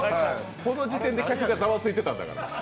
この時点で客がざわついてたんだから。